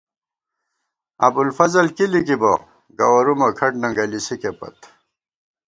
ابُوالفضل کی لِکِبہ ، گوَرُومہ کھٹ ننگئ لِسِکے پت